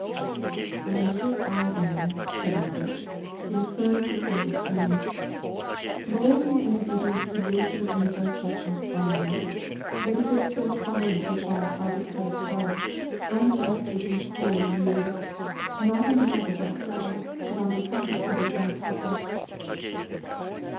"I am sure I am," said Margaret, in a firm, decided tone. "Loyalty and obedience to wisdom and justice are fine; but it is still finer to defy arbitrary power, unjustly and cruelly used not on behalf of ourselves, but on behalf of others more helpless."